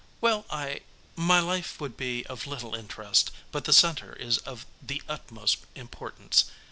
"Well, I my life would be of little interest, but the Center is of the utmost importance.